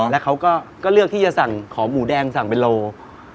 แล้วเขาก็เลือกที่จะสั่งขอหมูแดงสั่งเป็นโล